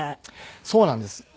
そうなんです。